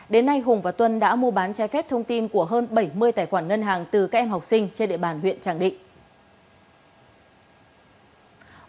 đến nay hùng và tuân đã mua bán trái phép thông tin của hơn bảy mươi tài khoản ngân hàng từ các em học sinh trên địa bàn huyện tràng định